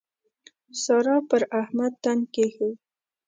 سارا پر احمد تن کېښود.